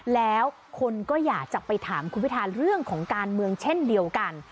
แล้วคนก็อยากจะไปถามคุณพิธาเรื่องของการเมืองเช่นเดียวกัน